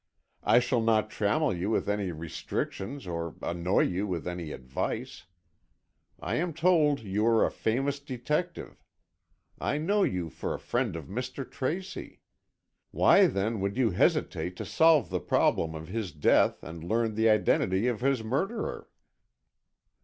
I shall not trammel you with any restrictions or annoy you with any advice. I am told you are a famous detective. I know you for a friend of Mr. Tracy. Why, then, would you hesitate to solve the problem of his death and learn the identity of his murderer?"